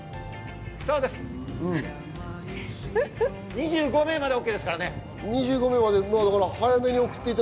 ２５名までＯＫですからね。